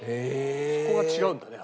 そこは違うんだね